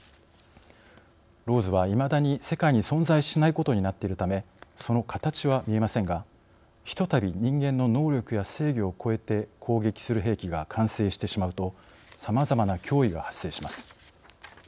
ＬＡＷＳはいまだに世界に存在しないことになっているためその形は見えませんがひとたび人間の能力や制御を超えて攻撃する兵器が完成してしまうとさまざまな脅威が発生します。